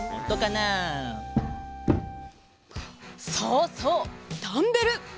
そうそうダンベル！